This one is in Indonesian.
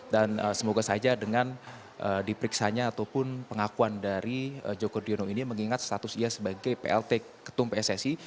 dan semoga saja dengan diperiksanya ataupun pengakuan dari joko driono ini mengingat status ia sebagai plt ketum pssi